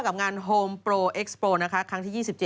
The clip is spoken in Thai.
กับงานโฮมโปรเอ็กซ์โปรนะคะครั้งที่๒๗